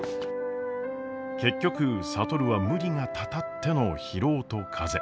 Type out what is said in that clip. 結局智は無理がたたっての疲労と風邪。